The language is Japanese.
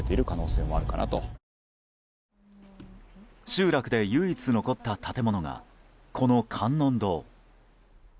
集落で唯一残った建物がこの観音堂。